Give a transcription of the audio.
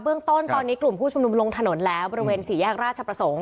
เรื่องต้นตอนนี้กลุ่มผู้ชุมนุมลงถนนแล้วบริเวณสี่แยกราชประสงค์